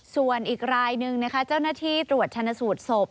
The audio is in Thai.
ส่วนอีกรายหนึ่งนะคะเจ้าหน้าที่ตรวจชนะสูตรศพ